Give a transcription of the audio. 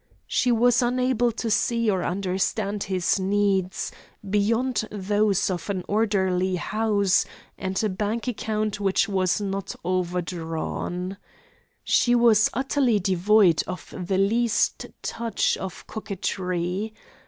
She was unable to see or understand his needs, beyond those of an orderly house, and a bank account which was not overdrawn. She was utterly devoid of the least touch of coquetry.